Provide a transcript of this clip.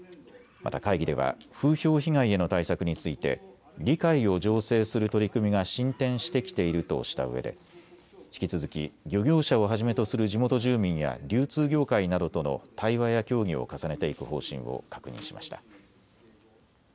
また会議では風評被害への対策について理解を醸成する取り組みが進展してきているとしたうえで引き続き漁業者をはじめとする地元住民や流通業界などとの対話や協議を重ねていく方針を確認しました。